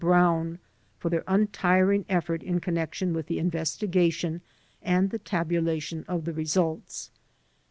Brown for their untiring effort in connection with the investigation and the tabulation of the results.